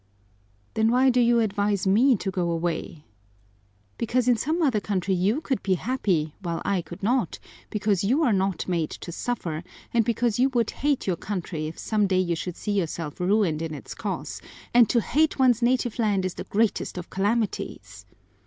"Then why do you advise me to go away?" "Because in some other country you could be happy while I could not, because you are not made to suffer, and because you would hate your country if some day you should see yourself ruined in its cause, and to hate one's native land is the greatest of calamities."